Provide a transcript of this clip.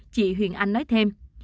chị huyền anh nói thêm